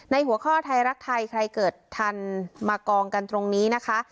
หัวข้อไทยรักไทยใครเกิดทันมากองกันตรงนี้นะคะ